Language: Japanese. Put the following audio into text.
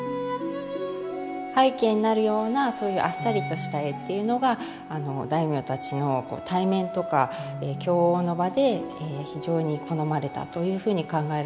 背景になるようなそういうあっさりとした絵っていうのがあの大名たちのこう対面とか供応の場で非常に好まれたというふうに考えられます。